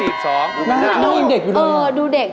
ดูเด็กดูเด็ก